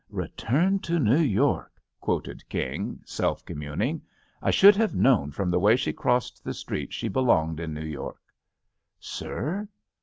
"Return to New York," quoted King, self conmiuning; I should have known from the way she crossed the street she belonged in New York." "Sir?"